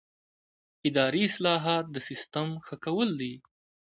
اداري اصلاحات د سیسټم ښه کول دي